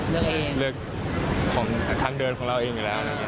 เลือกของทางเดินของเราเองอยู่แล้ว